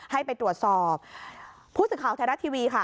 ให้ไปตรวจสอบผู้สื่อข่าวไทยรัฐทีวีค่ะ